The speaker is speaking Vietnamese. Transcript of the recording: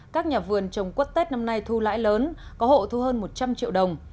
các nhà vườn trồng quất tết năm nay thu lãi lớn có hộ thu hơn một trăm linh triệu đồng